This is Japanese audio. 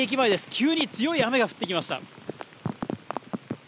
急に強い雨が降ってきました。